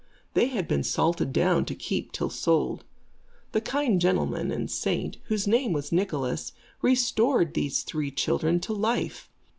They had been salted down to keep till sold. The kind gentleman and saint, whose name was Nicholas, restored these three children to life.